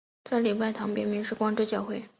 现在礼拜堂的别名是光之教会。